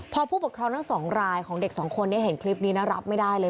พอผู้ปกครองทั้งสองรายของเด็กสองคนนี้เห็นคลิปนี้นะรับไม่ได้เลย